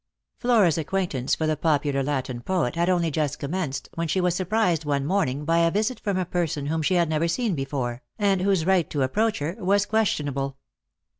Flora's acquaintance for the popular Latin poet had only just commenced, when she was surprised one morning by a visit from a person whom she had never seen before, and whose right to approach her was questionable.